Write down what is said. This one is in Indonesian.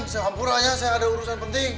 saya hampir ada urusan penting